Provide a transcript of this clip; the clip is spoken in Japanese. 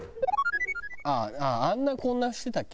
あっあんなこんなしてたっけ？